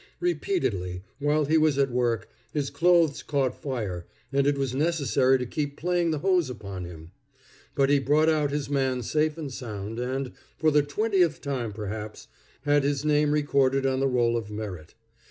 Repeatedly, while he was at work, his clothes caught fire, and it was necessary to keep playing the hose upon him. But he brought out his man safe and sound, and, for the twentieth time perhaps, had his name recorded on the roll of merit.